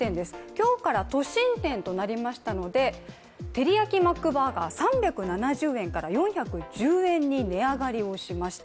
今日から都心店となりましたのでてりやきマックバーガー３７０円から４１０円に値上がりをしました。